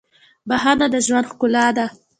• بښنه د ژوند ښکلا ده.